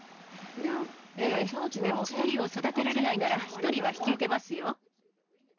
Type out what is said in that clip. ええ、でも２人を育てられないなら、１人は引き受けますよ。